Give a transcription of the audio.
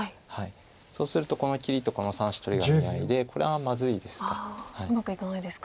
そうするとこの切りとこの３子取りが見合いでこれはまずいですか。